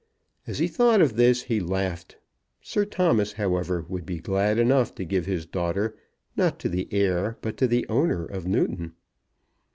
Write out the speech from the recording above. As he thought of this he laughed. Sir Thomas, however, would be glad enough to give his daughter, not to the heir but to the owner of Newton.